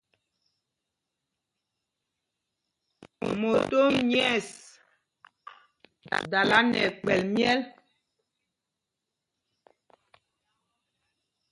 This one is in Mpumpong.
Motom nyɛ̂ɛs dala kpɛ̌l myɛl.